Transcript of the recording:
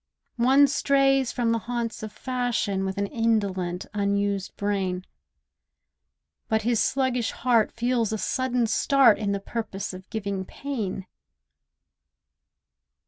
One strays from the haunts of fashion With an indolent, unused brain; But his sluggish heart feels a sudden start In the purpose of giving pain.